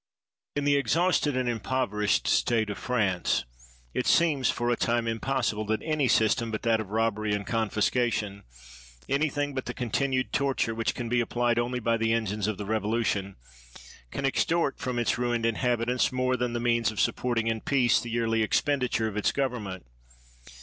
In the exhausted and impoverished state of France it seems for a time impossible that any system but that of robbery and confiscation, anything but the continued torture which can be applied only by the engines of the revolution, can extort from its ruined inhabitants more than the means of supporting in peace the yearly expenditure of its government.